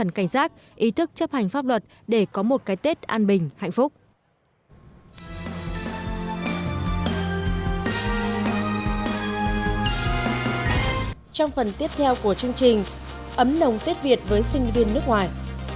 ấm nồng tết việt với sinh viên nước ngoài